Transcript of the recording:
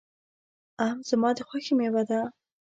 آم زما د خوښې مېوه ده.